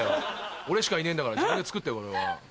俺しかいねえんだから自分で作って。